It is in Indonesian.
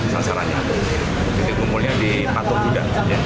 saksarannya kumulnya di patung kuda